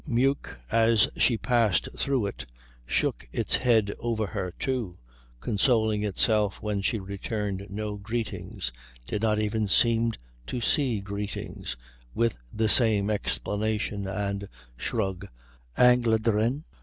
Meuk, as she passed through it, shook its head over her, too, consoling itself when she returned no greetings, did not even seem to see greetings, with the same explanation and shrug Engländerin.